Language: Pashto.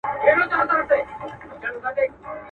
زه او خدای پوهېږو چي هینداري پرون څه ویل.